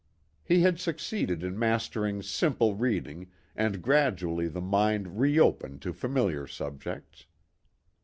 He had succeeded in mastering simple read ing and gradually the mind re opened to familiar subjects.